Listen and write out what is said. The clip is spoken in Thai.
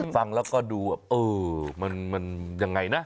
ฟังแล้วก็ดูมันยังไงนะ